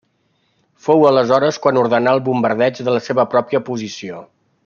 Fou aleshores quan ordenà el bombardeig de la seva pròpia posició.